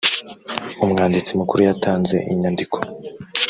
umwanditsi mukuru yatanze inyandiko.